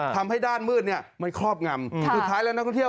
ทำให้ด้านมืดเนี่ยมันครอบงำสุดท้ายแล้วนักท่องเที่ยว